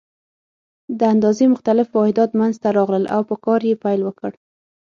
د اندازې مختلف واحدات منځته راغلل او په کار یې پیل وکړ.